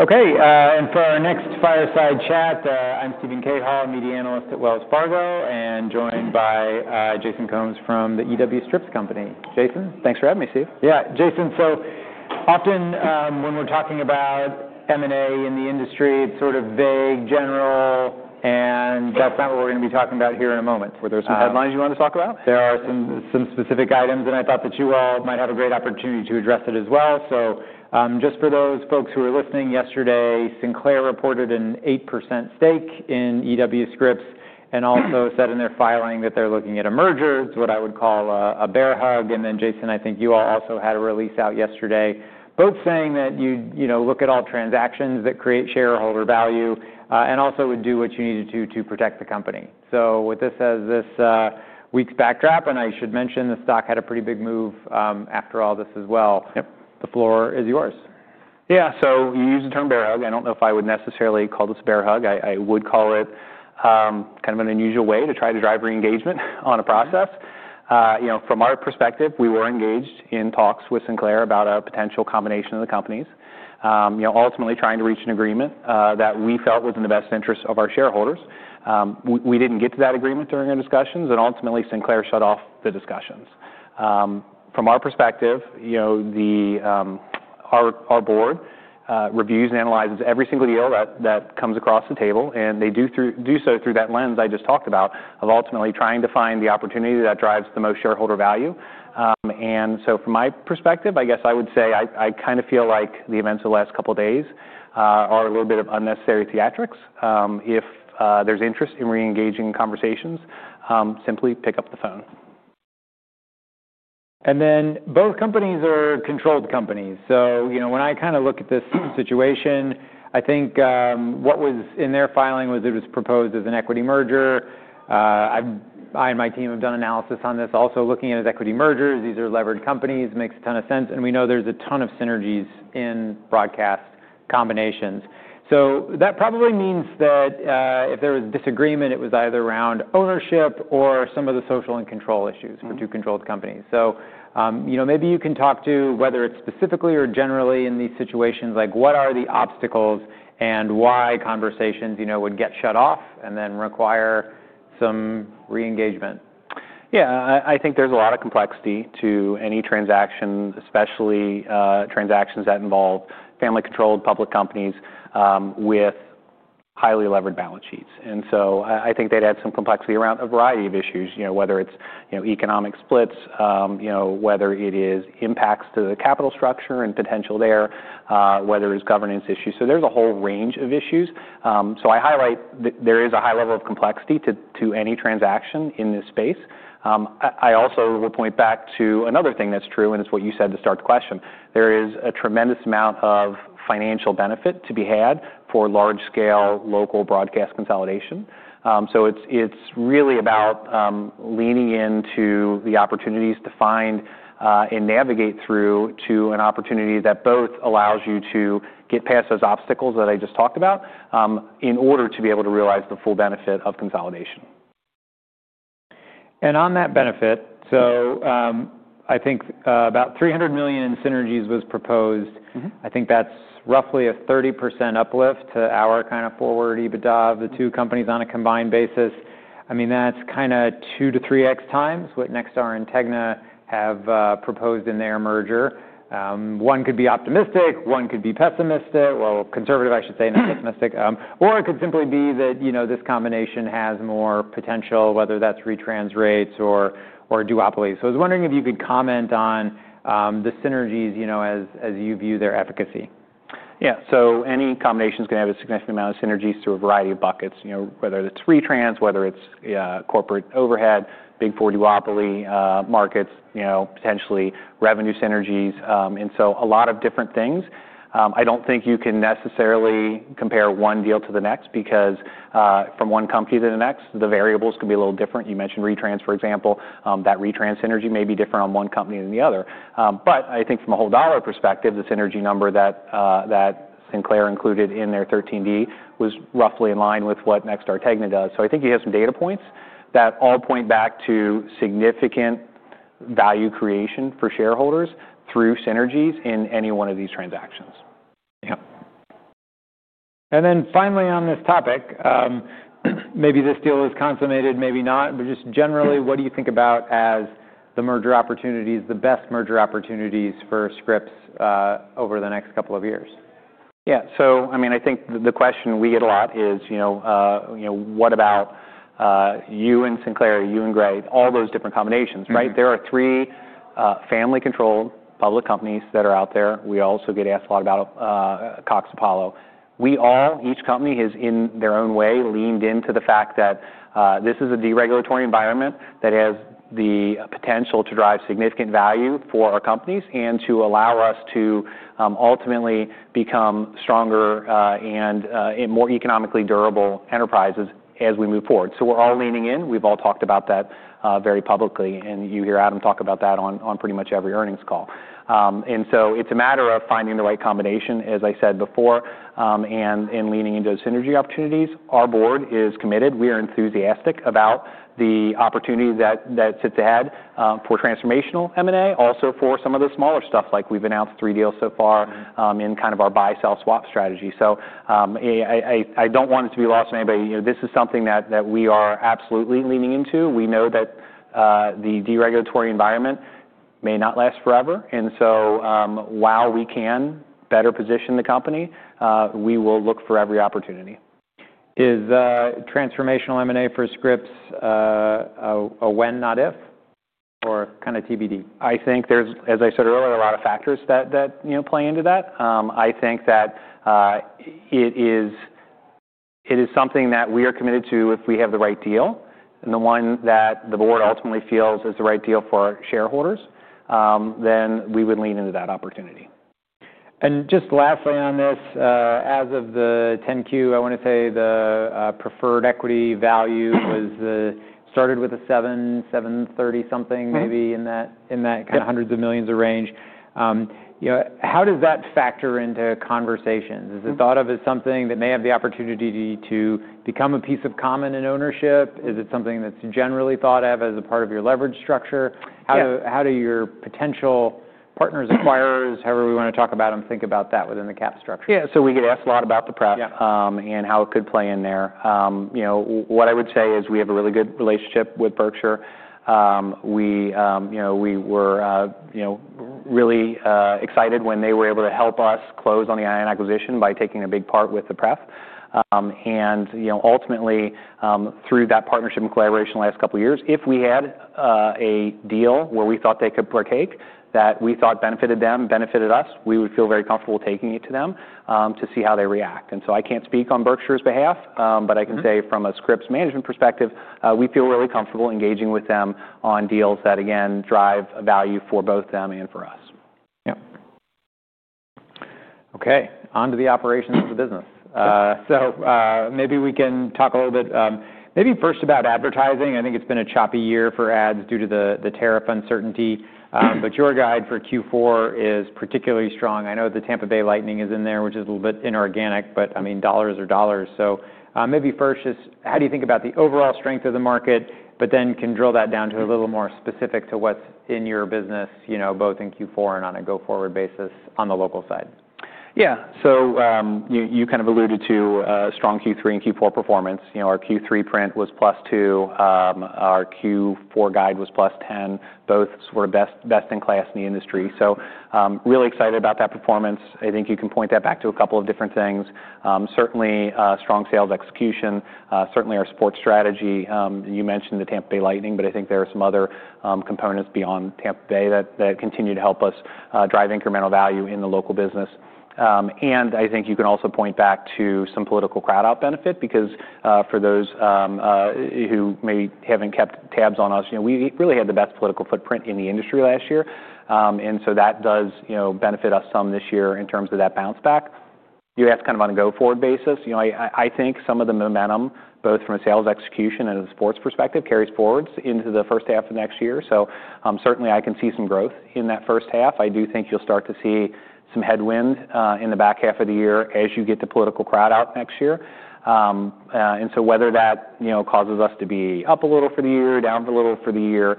Okay, and for our next fireside chat, I'm Steven Cahall, a media analyst at Wells Fargo, and joined by Jason Combs from the E.W. Scripps Company. Jason, thanks for having me, Steve. Yeah, Jason, so often when we're talking about M&A in the industry, it's sort of vague, general, and that's not what we're going to be talking about here in a moment. Were there some headlines you wanted to talk about? There are some specific items, and I thought that you all might have a great opportunity to address it as well. Just for those folks who were listening yesterday, Sinclair reported an 8% stake in E.W. Scripps and also said in their filing that they're looking at a merger. It's what I would call a bear hug. Jason, I think you all also had a release out yesterday both saying that you look at all transactions that create shareholder value and also would do what you needed to to protect the company. With this as this week's backdrop, and I should mention the stock had a pretty big move after all this as well. The floor is yours. Yeah, so you used the term bear hug. I don't know if I would necessarily call this a bear hug. I would call it kind of an unusual way to try to drive re-engagement on a process. From our perspective, we were engaged in talks with Sinclair about a potential combination of the companies, ultimately trying to reach an agreement that we felt was in the best interest of our shareholders. We didn't get to that agreement during our discussions, and ultimately Sinclair shut off the discussions. From our perspective, our board reviews and analyzes every single deal that comes across the table, and they do so through that lens I just talked about of ultimately trying to find the opportunity that drives the most shareholder value. From my perspective, I guess I would say I kind of feel like the events of the last couple of days are a little bit of unnecessary theatrics. If there's interest in re-engaging conversations, simply pick up the phone. Both companies are controlled companies. When I kind of look at this situation, I think what was in their filing was it was proposed as an equity merger. I and my team have done analysis on this. Also looking at it as equity mergers, these are levered companies, makes a ton of sense, and we know there's a ton of synergies in broadcast combinations. That probably means that if there was disagreement, it was either around ownership or some of the social and control issues for two controlled companies. Maybe you can talk to whether it's specifically or generally in these situations, like what are the obstacles and why conversations would get shut off and then require some re-engagement? Yeah, I think there's a lot of complexity to any transaction, especially transactions that involve family-controlled public companies with highly levered balance sheets. I think they'd add some complexity around a variety of issues, whether it's economic splits, whether it is impacts to the capital structure and potential there, whether it's governance issues. There's a whole range of issues. I highlight that there is a high level of complexity to any transaction in this space. I also will point back to another thing that's true, and it's what you said to start the question. There is a tremendous amount of financial benefit to be had for large-scale local broadcast consolidation. It is really about leaning into the opportunities to find and navigate through to an opportunity that both allows you to get past those obstacles that I just talked about in order to be able to realize the full benefit of consolidation. On that benefit, I think about $300 million in synergies was proposed. I think that's roughly a 30% uplift to our kind of forward EBITDA of the two companies on a combined basis. I mean, that's kind of two to three times what Nexstar and TEGNA have proposed in their merger. One could be optimistic, one could be pessimistic, well, conservative, I should say, not pessimistic, or it could simply be that this combination has more potential, whether that's retrans rates or duopolies. I was wondering if you could comment on the synergies as you view their efficacy. Yeah, so any combination is going to have a significant amount of synergies through a variety of buckets, whether it's retrans, whether it's corporate overhead, big four duopoly markets, potentially revenue synergies. A lot of different things. I don't think you can necessarily compare one deal to the next because from one company to the next, the variables can be a little different. You mentioned retrans, for example. That retrans synergy may be different on one company than the other. I think from a whole dollar perspective, the synergy number that Sinclair included in their 13D was roughly in line with what Nexstar and TEGNA does. I think you have some data points that all point back to significant value creation for shareholders through synergies in any one of these transactions. Yeah. And then finally on this topic, maybe this deal is consummated, maybe not, but just generally, what do you think about as the merger opportunities, the best merger opportunities for Scripps over the next couple of years? Yeah, so I mean, I think the question we get a lot is, what about you and Sinclair, you and Gray, all those different combinations, right? There are three family-controlled public companies that are out there. We also get asked a lot about Cox Apollo. Each company has in their own way leaned into the fact that this is a deregulatory environment that has the potential to drive significant value for our companies and to allow us to ultimately become stronger and more economically durable enterprises as we move forward. We're all leaning in. We've all talked about that very publicly, and you hear Adam talk about that on pretty much every earnings call. It's a matter of finding the right combination, as I said before, and in leaning into those synergy opportunities. Our board is committed. We are enthusiastic about the opportunity that sits ahead for transformational M&A, also for some of the smaller stuff like we've announced three deals so far in kind of our buy-sell swap strategy. I do not want it to be lost to anybody. This is something that we are absolutely leaning into. We know that the deregulatory environment may not last forever. While we can better position the company, we will look for every opportunity. Is transformational M&A for Scripps a when, not if, or kind of TBD? I think there's, as I said earlier, a lot of factors that play into that. I think that it is something that we are committed to if we have the right deal and the one that the board ultimately feels is the right deal for shareholders, then we would lean into that opportunity. Just lastly on this, as of the 10Q, I want to say the preferred equity value was, started with a 7, 730 something, maybe in that kind of hundreds of millions of range. How does that factor into conversations? Is it thought of as something that may have the opportunity to become a piece of common in ownership? Is it something that's generally thought of as a part of your leverage structure? How do your potential partners, acquirers, however we want to talk about them, think about that within the cap structure? Yeah, so we get asked a lot about the prep and how it could play in there. What I would say is we have a really good relationship with Berkshire. We were really excited when they were able to help us close on the ION acquisition by taking a big part with the prep. Ultimately, through that partnership and collaboration the last couple of years, if we had a deal where we thought they could partake that we thought benefited them, benefited us, we would feel very comfortable taking it to them to see how they react. I can't speak on Berkshire's behalf, but I can say from a Scripps management perspective, we feel really comfortable engaging with them on deals that, again, drive value for both them and for us. Yeah. Okay, on to the operations of the business. Maybe we can talk a little bit maybe first about advertising. I think it's been a choppy year for ads due to the tariff uncertainty, but your guide for Q4 is particularly strong. I know the Tampa Bay Lightning is in there, which is a little bit inorganic, but I mean, dollars are dollars. Maybe first just how do you think about the overall strength of the market, but then can drill that down to a little more specific to what's in your business, both in Q4 and on a go-forward basis on the local side? Yeah, so you kind of alluded to strong Q3 and Q4 performance. Our Q3 print was plus 2. Our Q4 guide was plus 10. Both were best in class in the industry. Really excited about that performance. I think you can point that back to a couple of different things. Certainly strong sales execution, certainly our sports strategy. You mentioned the Tampa Bay Lightning, but I think there are some other components beyond Tampa Bay that continue to help us drive incremental value in the local business. I think you can also point back to some political crowd-out benefit because for those who may haven't kept tabs on us, we really had the best political footprint in the industry last year. That does benefit us some this year in terms of that bounce back. You asked kind of on a go-forward basis. I think some of the momentum, both from a sales execution and a sports perspective, carries forward into the first half of next year. Certainly I can see some growth in that first half. I do think you'll start to see some headwind in the back half of the year as you get the political crowd out next year. Whether that causes us to be up a little for the year, down a little for the year,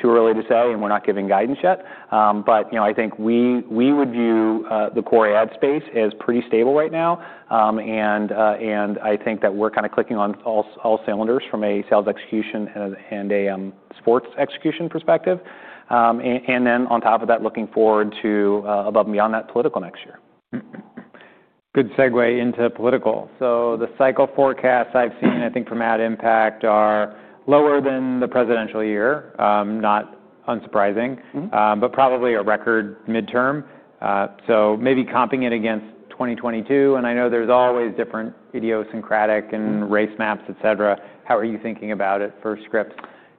too early to say, and we're not giving guidance yet. I think we would view the core ad space as pretty stable right now. I think that we're kind of clicking on all cylinders from a sales execution and a sports execution perspective. On top of that, looking forward to above and beyond that political next year. Good segue into political. The cycle forecasts I have seen, I think from AdImpact, are lower than the presidential year, not unsurprising, but probably a record midterm. Maybe comping it against 2022. I know there is always different idiosyncratic and race maps, etc. How are you thinking about it for Scripps?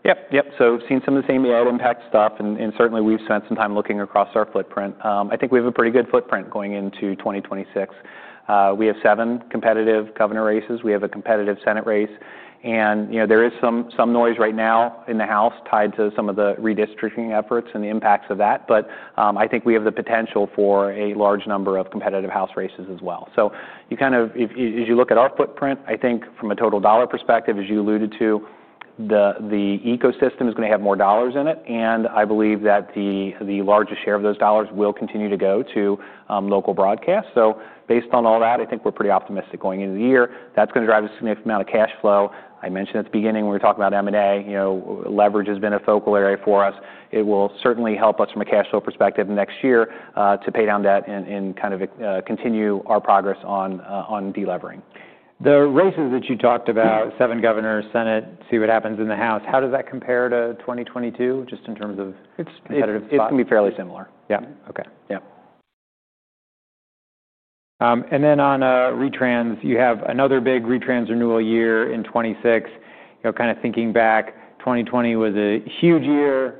Yep, yep. So we've seen some of the same AdImpact stuff, and certainly we've spent some time looking across our footprint. I think we have a pretty good footprint going into 2026. We have seven competitive governor races. We have a competitive Senate race. And there is some noise right now in the House tied to some of the redistricting efforts and the impacts of that. But I think we have the potential for a large number of competitive House races as well. So kind of as you look at our footprint, I think from a total dollar perspective, as you alluded to, the ecosystem is going to have more dollars in it. And I believe that the largest share of those dollars will continue to go to local broadcast. So based on all that, I think we're pretty optimistic going into the year. That's going to drive a significant amount of Cash Flow. I mentioned at the beginning when we were talking about M&A, leverage has been a focal area for us. It will certainly help us from a Cash Flow perspective next year to pay down debt and kind of continue our progress on delevering. The races that you talked about, seven governors, Senate, see what happens in the House, how does that compare to 2022 just in terms of competitive spot? It's going to be fairly similar. Yeah. Okay. Yeah. On retrans, you have another big retrans renewal year in 2026. Kind of thinking back, 2020 was a huge year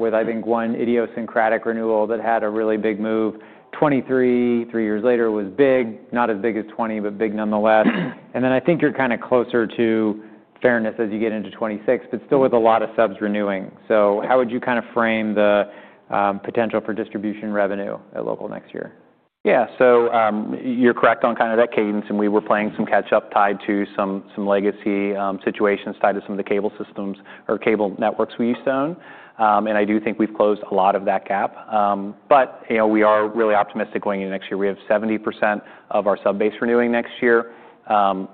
with, I think, one idiosyncratic renewal that had a really big move. 2023, three years later, was big, not as big as 2020, but big nonetheless. I think you are kind of closer to fairness as you get into 2026, but still with a lot of subs renewing. How would you kind of frame the potential for distribution revenue at local next year? Yeah, so you're correct on kind of that cadence. We were playing some catch-up tied to some legacy situations tied to some of the cable systems or cable networks we used to own. I do think we've closed a lot of that gap. We are really optimistic going into next year. We have 70% of our subbase renewing next year,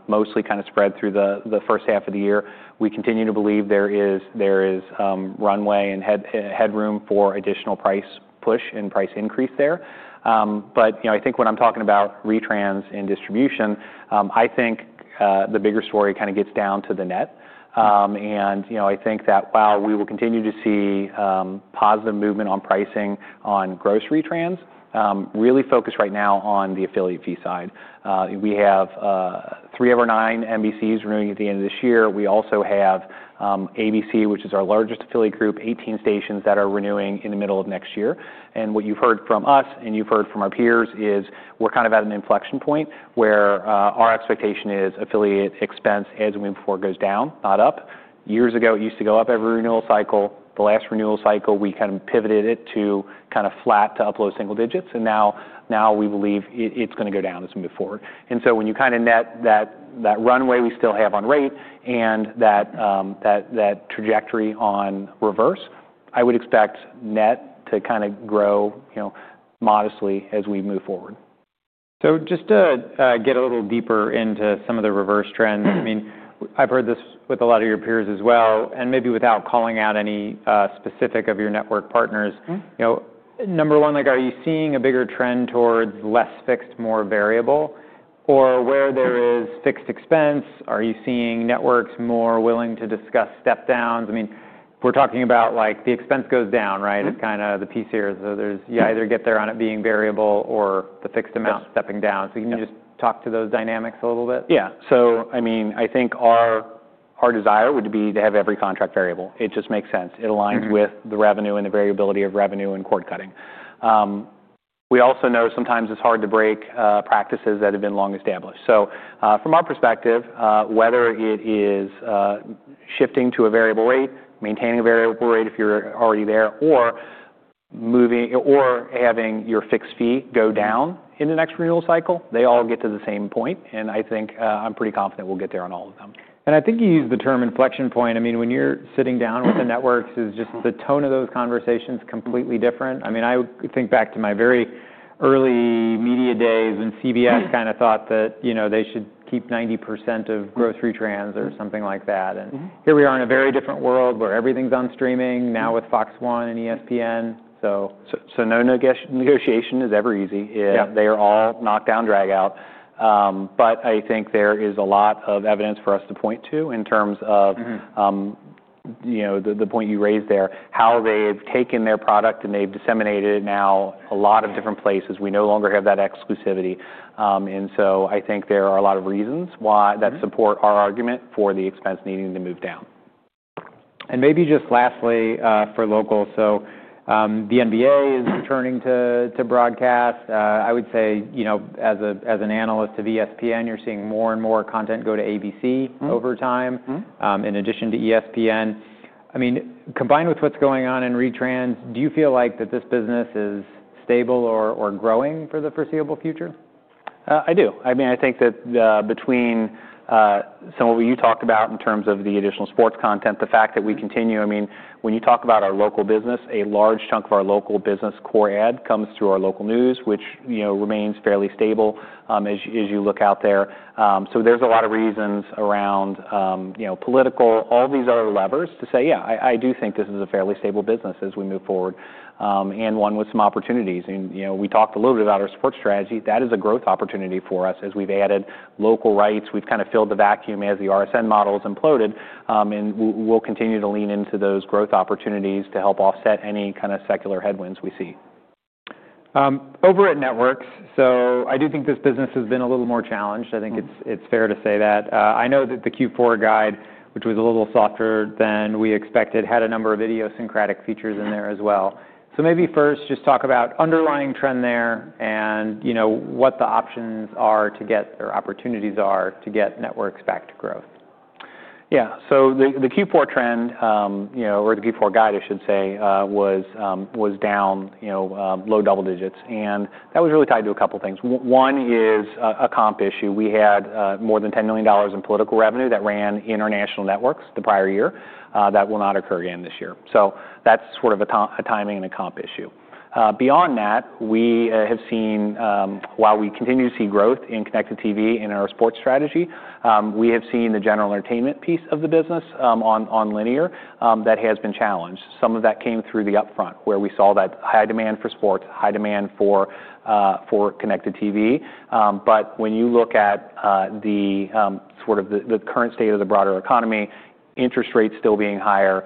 mostly kind of spread through the first half of the year. We continue to believe there is runway and headroom for additional price push and price increase there. I think when I'm talking about retrans and distribution, the bigger story kind of gets down to the net. I think that while we will continue to see positive movement on pricing on gross retrans, really focused right now on the affiliate fee side. We have three of our nine MBCs renewing at the end of this year. We also have ABC, which is our largest affiliate group, 18 stations that are renewing in the middle of next year. What you've heard from us and you've heard from our peers is we're kind of at an inflection point where our expectation is affiliate expense as we move forward goes down, not up. Years ago, it used to go up every renewal cycle. The last renewal cycle, we kind of pivoted it to kind of flat to up low single digits. Now we believe it's going to go down as we move forward. When you kind of net that runway we still have on rate and that trajectory on reverse, I would expect net to kind of grow modestly as we move forward. Just to get a little deeper into some of the reverse trends, I mean, I've heard this with a lot of your peers as well, and maybe without calling out any specific of your network partners. Number one, are you seeing a bigger trend towards less fixed, more variable? Or where there is fixed expense, are you seeing networks more willing to discuss step-downs? I mean, we're talking about the expense goes down, right? It's kind of the piece here. You either get there on it being variable or the fixed amount stepping down. You can just talk to those dynamics a little bit? Yeah. I mean, I think our desire would be to have every contract variable. It just makes sense. It aligns with the revenue and the variability of revenue and cord cutting. We also know sometimes it is hard to break practices that have been long established. From our perspective, whether it is shifting to a variable rate, maintaining a variable rate if you are already there, or having your fixed fee go down in the next renewal cycle, they all get to the same point. I think I am pretty confident we will get there on all of them. I think you used the term inflection point. I mean, when you're sitting down with the networks, is just the tone of those conversations completely different? I mean, I think back to my very early media days when CBS kind of thought that they should keep 90% of gross retrans or something like that. And here we are in a very different world where everything's on streaming now with Fox One and ESPN, so. No negotiation is ever easy. They are all knocked down, drag out. I think there is a lot of evidence for us to point to in terms of the point you raised there, how they've taken their product and they've disseminated it now a lot of different places. We no longer have that exclusivity. I think there are a lot of reasons that support our argument for the expense needing to move down. Maybe just lastly for local, so the NBA is returning to broadcast. I would say as an analyst of ESPN, you're seeing more and more content go to ABC over time in addition to ESPN. I mean, combined with what's going on in retrans, do you feel like that this business is stable or growing for the foreseeable future? I do. I mean, I think that between some of what you talk about in terms of the additional sports content, the fact that we continue, I mean, when you talk about our local business, a large chunk of our local business core ad comes through our local news, which remains fairly stable as you look out there. There are a lot of reasons around political, all these other levers to say, yeah, I do think this is a fairly stable business as we move forward and one with some opportunities. We talked a little bit about our sports strategy. That is a growth opportunity for us as we have added local rights. We have kind of filled the vacuum as the RSN model has imploded. We will continue to lean into those growth opportunities to help offset any kind of secular headwinds we see. Over at networks, I do think this business has been a little more challenged. I think it's fair to say that. I know that the Q4 guide, which was a little softer than we expected, had a number of idiosyncratic features in there as well. Maybe first just talk about underlying trend there and what the options are to get or opportunities are to get networks back to growth. Yeah. The Q4 trend or the Q4 guide, I should say, was down low double digits. That was really tied to a couple of things. One is a comp issue. We had more than $10 million in political revenue that ran in national networks the prior year. That will not occur again this year. That is sort of a timing and a comp issue. Beyond that, we have seen, while we continue to see growth in connected TV and our sports strategy, we have seen the general entertainment piece of the business on linear that has been challenged. Some of that came through the upfront where we saw that high demand for sports, high demand for connected TV. When you look at the current state of the broader economy, interest rates still being higher,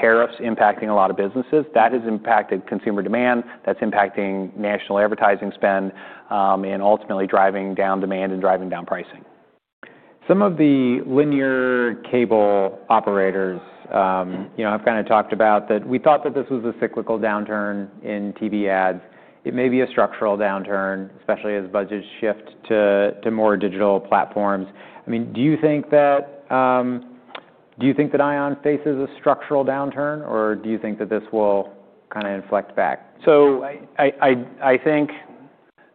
tariffs impacting a lot of businesses, that has impacted consumer demand. That's impacting national advertising spend and ultimately driving down demand and driving down pricing. Some of the linear cable operators, I've kind of talked about that we thought that this was a cyclical downturn in TV ads. It may be a structural downturn, especially as budgets shift to more digital platforms. I mean, do you think that ION faces a structural downturn, or do you think that this will kind of inflect back?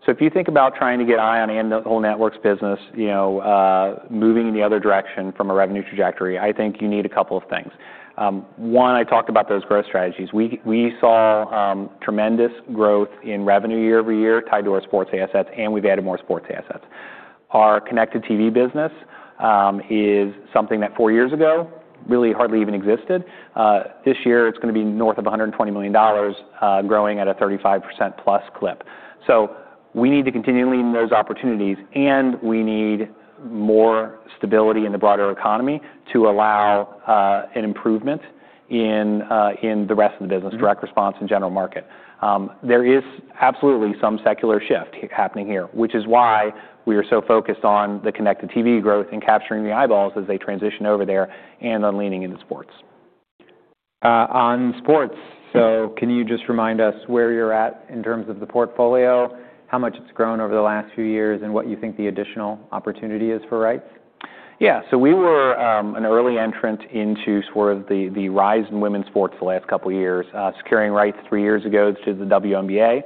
If you think about trying to get ION in the whole networks business, moving in the other direction from a revenue trajectory, I think you need a couple of things. One, I talked about those growth strategies. We saw tremendous growth in revenue year over year tied to our sports assets, and we've added more sports assets. Our connected TV business is something that four years ago really hardly even existed. This year, it's going to be north of $120 million growing at a 35% plus clip. We need to continue leaning those opportunities, and we need more stability in the broader economy to allow an improvement in the rest of the business, direct response and general market. There is absolutely some secular shift happening here, which is why we are so focused on the connected TV growth and capturing the eyeballs as they transition over there and then leaning into sports. On sports, can you just remind us where you're at in terms of the portfolio, how much it's grown over the last few years, and what you think the additional opportunity is for rights? Yeah. We were an early entrant into sort of the rise in women's sports the last couple of years, securing rights three years ago through the WNBA,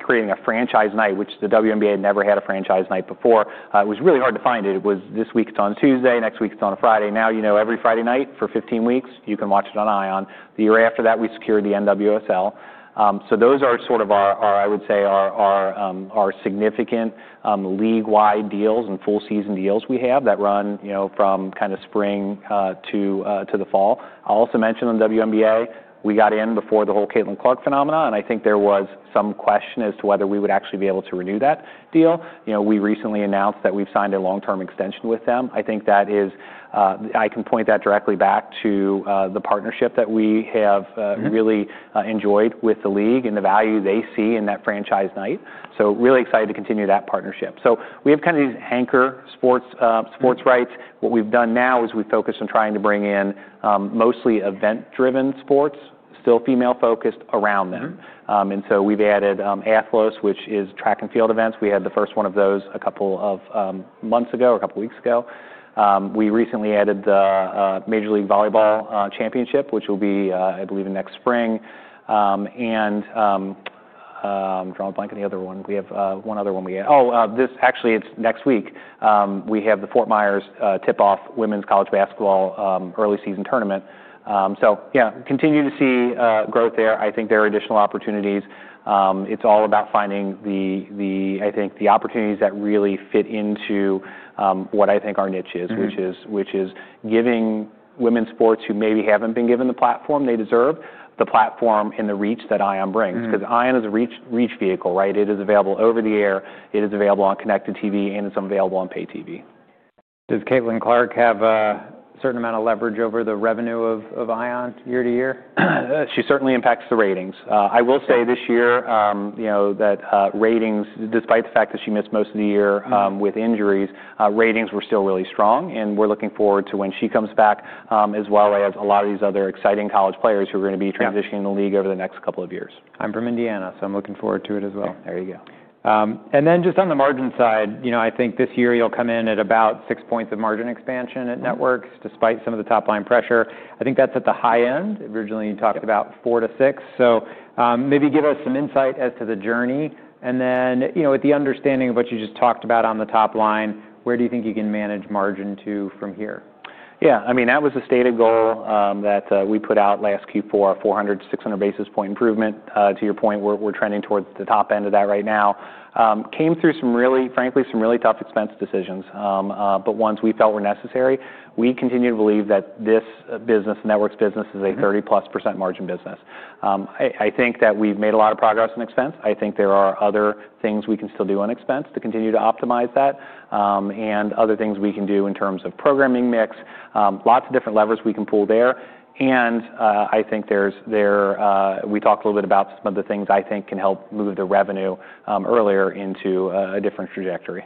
creating a franchise night, which the WNBA had never had a franchise night before. It was really hard to find it. It was this week it's on a Tuesday, next week it's on a Friday. Now, every Friday night for 15 weeks, you can watch it on ION. The year after that, we secured the NWSL. Those are sort of, I would say, our significant league-wide deals and full-season deals we have that run from kind of spring to the fall. I'll also mention the WNBA. We got in before the whole Caitlin Clark phenomenon, and I think there was some question as to whether we would actually be able to renew that deal. We recently announced that we've signed a long-term extension with them. I think that is, I can point that directly back to the partnership that we have really enjoyed with the league and the value they see in that franchise night. Really excited to continue that partnership. We have kind of these anchor sports rights. What we've done now is we've focused on trying to bring in mostly event-driven sports, still female-focused around them. We've added Athletes, which is track and field events. We had the first one of those a couple of months ago or a couple of weeks ago. We recently added the Major League Volleyball Championship, which will be, I believe, next spring. I'm drawing a blank on the other one. We have one other one we had. Oh, this actually, it's next week. We have the Fort Myers Tip-off Women's College Basketball early season tournament. Yeah, continue to see growth there. I think there are additional opportunities. It is all about finding, I think, the opportunities that really fit into what I think our niche is, which is giving women's sports who maybe have not been given the platform they deserve the platform and the reach that ION brings. Because ION is a reach vehicle, right? It is available over the air. It is available on connected TV, and it is available on pay TV. Does Caitlin Clark have a certain amount of leverage over the revenue of ION year to year? She certainly impacts the ratings. I will say this year that ratings, despite the fact that she missed most of the year with injuries, ratings were still really strong. We are looking forward to when she comes back as well as a lot of these other exciting college players who are going to be transitioning in the league over the next couple of years. I'm from Indiana, so I'm looking forward to it as well. There you go. Just on the margin side, I think this year you'll come in at about six points of margin expansion at networks despite some of the top-line pressure. I think that's at the high end. Originally, you talked about four to six. Maybe give us some insight as to the journey. With the understanding of what you just talked about on the top line, where do you think you can manage margin to from here? Yeah. I mean, that was a stated goal that we put out last Q4, 400-600 basis point improvement. To your point, we're trending towards the top end of that right now. Came through, frankly, some really tough expense decisions, but ones we felt were necessary. We continue to believe that this business, the networks business, is a 30+% margin business. I think that we've made a lot of progress in expense. I think there are other things we can still do on expense to continue to optimize that and other things we can do in terms of programming mix. Lots of different levers we can pull there. I think we talked a little bit about some of the things I think can help move the revenue earlier into a different trajectory.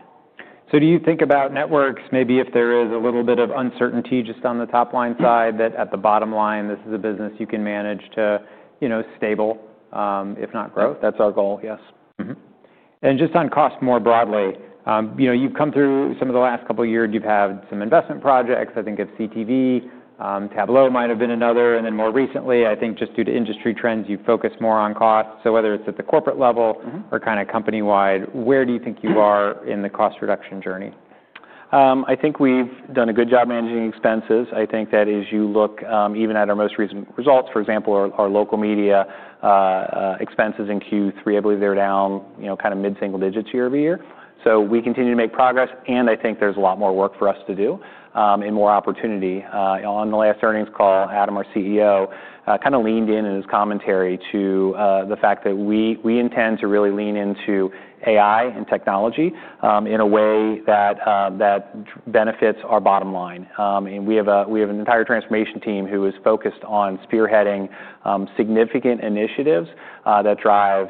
Do you think about networks, maybe if there is a little bit of uncertainty just on the top-line side, that at the bottom line, this is a business you can manage to stable, if not grow? That's our goal, yes. Just on cost more broadly, you've come through some of the last couple of years. You've had some investment projects. I think of CTV. Tableau might have been another. More recently, I think just due to industry trends, you've focused more on cost. Whether it's at the corporate level or kind of company-wide, where do you think you are in the cost reduction journey? I think we've done a good job managing expenses. I think that as you look even at our most recent results, for example, our local media expenses in Q3, I believe they were down kind of mid-single digits year - over- year. We continue to make progress. I think there's a lot more work for us to do and more opportunity. On the last earnings call, Adam, our CEO, kind of leaned in in his commentary to the fact that we intend to really lean into AI and technology in a way that benefits our bottom line. We have an entire transformation team who is focused on spearheading significant initiatives that drive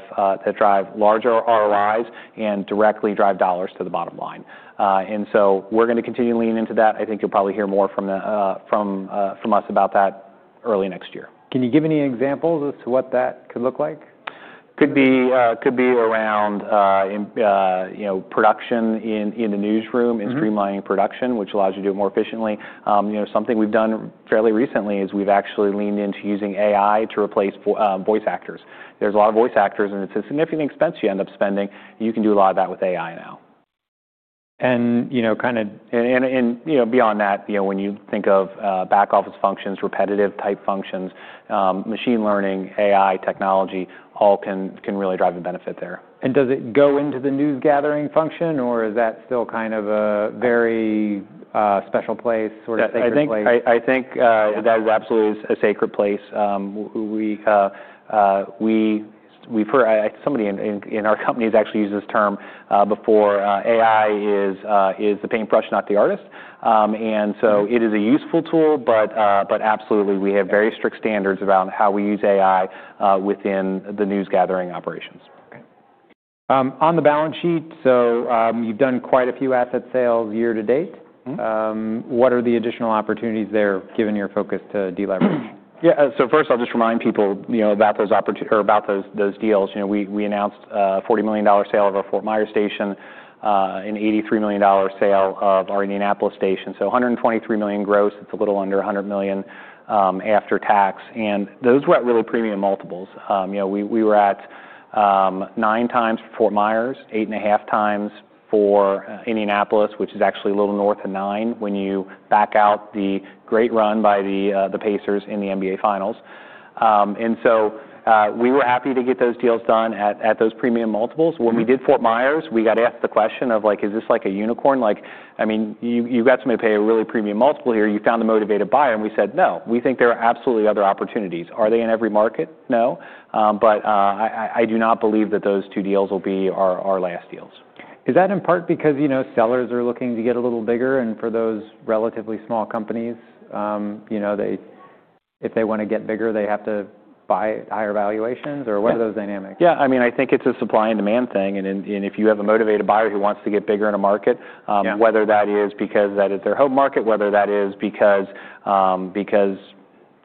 larger ROIs and directly drive dollars to the bottom line. We are going to continue leaning into that. I think you'll probably hear more from us about that early next year. Can you give any examples as to what that could look like? Could be around production in the newsroom and streamlining production, which allows you to do it more efficiently. Something we have done fairly recently is we have actually leaned into using AI to replace voice actors. There are a lot of voice actors, and it is a significant expense you end up spending. You can do a lot of that with AI now. Kind of beyond that, when you think of back office functions, repetitive-type functions, machine learning, AI, technology, all can really drive a benefit there. Does it go into the news gathering function, or is that still kind of a very special place? I think that absolutely is a sacred place. Somebody in our company has actually used this term before. AI is the paintbrush, not the artist. It is a useful tool, but absolutely, we have very strict standards around how we use AI within the news gathering operations. On the balance sheet, so you've done quite a few asset sales year to date. What are the additional opportunities there, given your focus to deleverage? Yeah. First, I'll just remind people about those deals. We announced a $40 million sale of our Fort Myers station and an $83 million sale of our Indianapolis station. So $123 million gross. It's a little under $100 million after tax. Those were at really premium multiples. We were at nine times for Fort Myers, eight and a half times for Indianapolis, which is actually a little north of nine when you back out the great run by the Pacers in the NBA Finals. We were happy to get those deals done at those premium multiples. When we did Fort Myers, we got asked the question of, is this like a unicorn? I mean, you got somebody to pay a really premium multiple here. You found a motivated buyer. We said, no, we think there are absolutely other opportunities. Are they in every market? No. I do not believe that those two deals will be our last deals. Is that in part because sellers are looking to get a little bigger? For those relatively small companies, if they want to get bigger, they have to buy at higher valuations? What are those dynamics? Yeah. I mean, I think it's a supply and demand thing. If you have a motivated buyer who wants to get bigger in a market, whether that is because that is their home market, whether that is because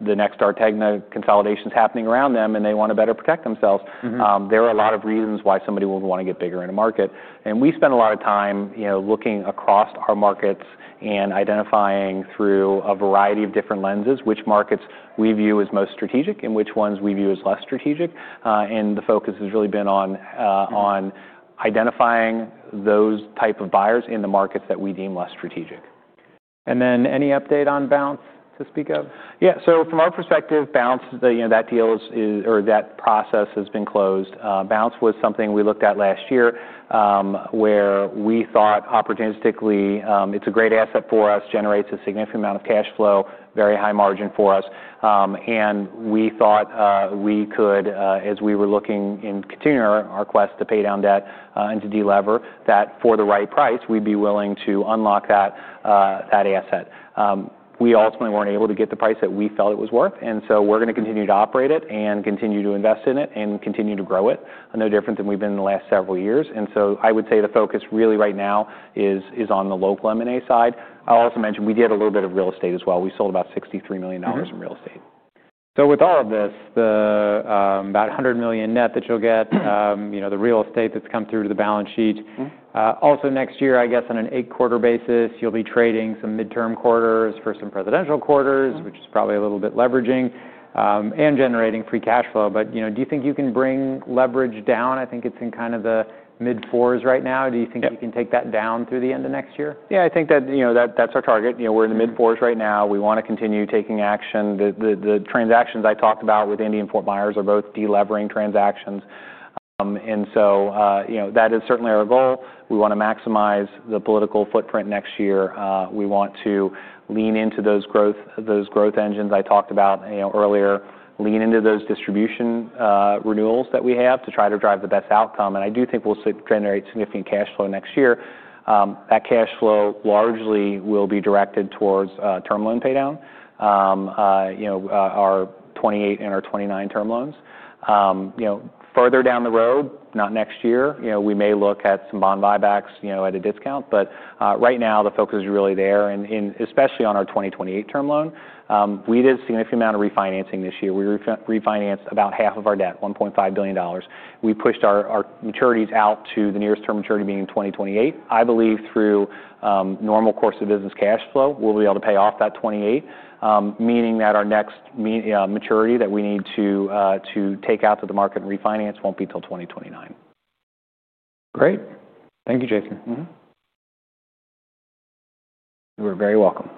the next round of consolidation is happening around them and they want to better protect themselves, there are a lot of reasons why somebody will want to get bigger in a market. We spend a lot of time looking across our markets and identifying through a variety of different lenses which markets we view as most strategic and which ones we view as less strategic. The focus has really been on identifying those types of buyers in the markets that we deem less strategic. Any update on Bounce to speak of? Yeah. From our perspective, Bounce, that deal or that process has been closed. Bounce was something we looked at last year where we thought opportunistically, it's a great asset for us, generates a significant amount of Cash Flow, very high margin for us. We thought we could, as we were looking and continuing our quest to pay down debt and to delever, that for the right price, we'd be willing to unlock that asset. We ultimately weren't able to get the price that we felt it was worth. We're going to continue to operate it and continue to invest in it and continue to grow it, no different than we've been in the last several years. I would say the focus really right now is on the local M&A side. I'll also mention we did a little bit of real estate as well. We sold about $63 million in real estate. With all of this, the about $100 million net that you'll get, the real estate that's come through to the balance sheet, also next year, I guess on an eight-quarter basis, you'll be trading some midterm quarters, first and presidential quarters, which is probably a little bit leveraging and generating Free cash flow. Do you think you can bring leverage down? I think it's in kind of the mid-fours right now. Do you think you can take that down through the end of next year? Yeah. I think that that's our target. We're in the mid-fours right now. We want to continue taking action. The transactions I talked about with Indianapolis and Fort Myers are both delevering transactions. That is certainly our goal. We want to maximize the political footprint next year. We want to lean into those growth engines I talked about earlier, lean into those distribution renewals that we have to try to drive the best outcome. I do think we'll generate significant cash flow next year. That cash flow largely will be directed towards term loan paydown, our '28 and our '29 term loans. Further down the road, not next year, we may look at some bond buybacks at a discount. Right now, the focus is really there, especially on our 2028 term loan. We did a significant amount of refinancing this year. We refinanced about half of our debt, $1.5 billion. We pushed our maturities out to the nearest term maturity being in 2028. I believe through normal course of business Cash Flow, we'll be able to pay off that '28, meaning that our next maturity that we need to take out to the market and refinance won't be until 2029. Great. Thank you, Jason. You are very welcome.